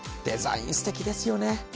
デザイン素敵ですよね。